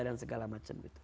dan segala macam